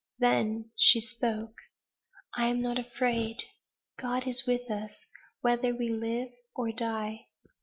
Then she spoke: "I am not afraid; God is with us, whether we live or die!"